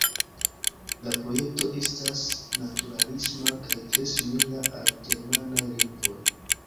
La projekto estas naturalisma kaj tre simila al ĝermanaj lingvoj.